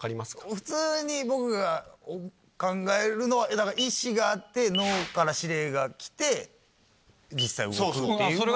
普通に僕が考えるのは意思があって脳から指令が来て実際動くっていうのが。